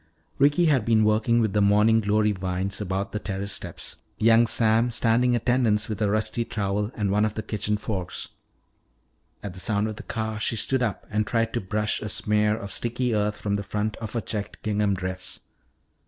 Ricky had been working with the morning glory vines about the terrace steps, young Sam standing attendance with a rusty trowel and one of the kitchen forks. At the sound of the car she stood up and tried to brush a smear of sticky earth from the front of her checked gingham dress.